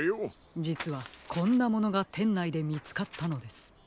じつはこんなものがてんないでみつかったのです。